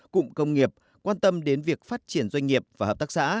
cụm công nghiệp quan tâm đến việc phát triển doanh nghiệp và hợp tác xã